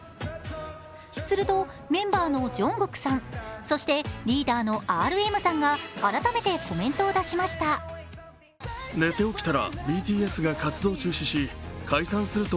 するとメンバーのＪＵＮＧＫＯＯＫさん、そしてリーダーのＲＭさんが改めてコメントを出しました。